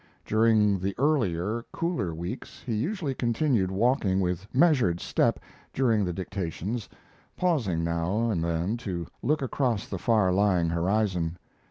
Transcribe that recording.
During the earlier, cooler weeks he usually continued walking with measured step during the dictations, pausing now and then to look across the far lying horizon.